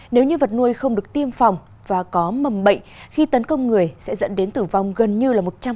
nếu như vật nuôi không được tiêm phòng và có mầm bệnh khi tấn công người sẽ dẫn đến tử vong gần như là một trăm linh